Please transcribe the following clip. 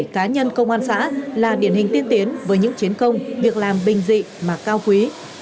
công an xã là điển hình tiên tiến với những chiến công việc làm bình dị mà cao quý